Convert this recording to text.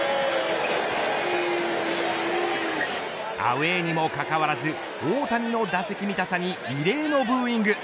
アウェイにもかかわらず大谷の打席見たさに異例のブーイング。